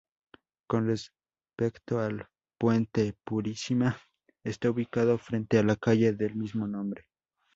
Con respecto al puente Purísima, está ubicado frente a la calle del mismo nombre.